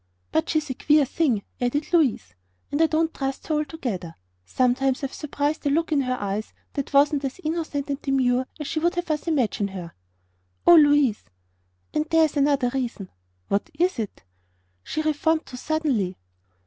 "But she's a queer thing," added Louise, "and I don't trust her altogether. Sometimes I've surprised a look in her eyes that wasn't as innocent and demure as she would have us imagine her." "Oh, Louise!" "And there's another reason." "What is it?" "She reformed too suddenly."